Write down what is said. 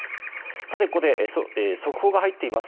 さて、ここで速報が入っています。